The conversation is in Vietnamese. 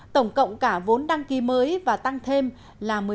tổng cộng cả vốn đăng ký mới và tăng thêm là một mươi chín bảy trăm bốn mươi sáu tỷ usd